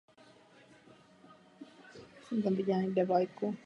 Plody jsou šířeny nejčastěji ptáky.